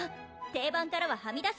定番からははみ出すけど